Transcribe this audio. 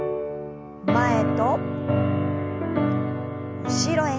前と後ろへ。